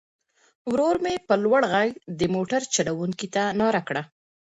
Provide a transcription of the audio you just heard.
ورور مې په لوړ غږ د موټر چلوونکي ته ناره کړه.